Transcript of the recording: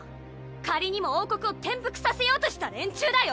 仮にも王国を転覆させようとした連中だよ